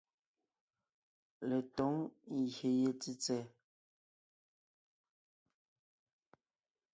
Letǒŋ ngyè ye tsètsɛ̀ɛ.